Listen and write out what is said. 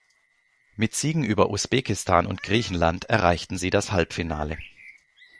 Mit Siegen über Usbekistan und Griechenland erreichten sie das Halbfinale.